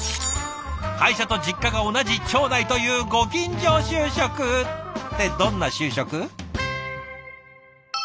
会社と実家が同じ町内というご近所就職！ってどんな就職？